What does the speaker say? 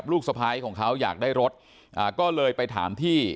ลูกสะพ้ายของเขาอยากได้รถก็เลยไปถามที่